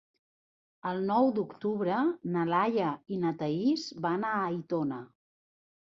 El nou d'octubre na Laia i na Thaís van a Aitona.